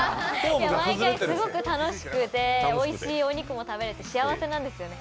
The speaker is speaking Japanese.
すごく楽しくておいしいお肉も食べれて幸せなんですよね。